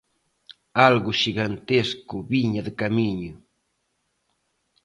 Algo xigantesco viña de camiño.